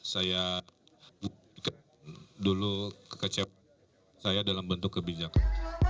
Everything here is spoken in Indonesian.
saya dulu kekecewaan saya dalam bentuk kebijakan